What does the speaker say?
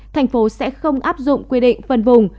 thành phố sẽ không áp dụng quy định phân vùng